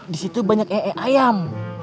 disitu banyak ee ayam